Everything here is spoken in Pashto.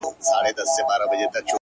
د دې سړي د هر يو رگ څخه جانان وځي”